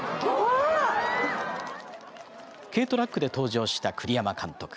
軽トラックで登場した栗山監督。